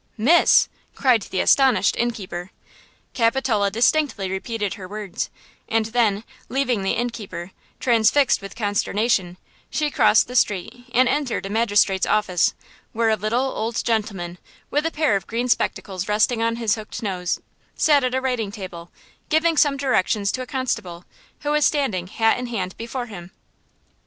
"Miss!" cried the astonished inn keeper. Capitola distinctly repeated her words and then, leaving the inn keeper, transfixed with consternation, she crossed the street and entered a magistrate's office, where a little, old gentleman with a pair of green spectacles resting on his hooked nose, sat at a writing table, giving some directions to a constable, who was standing hat in hand before him.